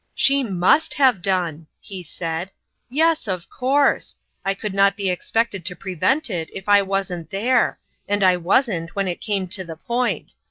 " She must have done !" he said. " Yes, of course. I could not be expected to prevent it, if I wasn't there ; and I wasn't, when it came to the point.